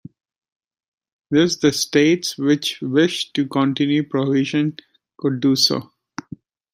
Thus states which wished to continue prohibition could do so.